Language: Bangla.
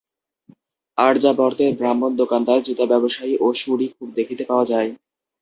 আর্যাবর্তে ব্রাহ্মণ দোকানদার, জুতাব্যবসায়ী ও শুঁড়ী খুব দেখিতে পাওয়া যায়।